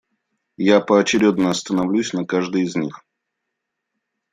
Я поочередно остановлюсь на каждой из них.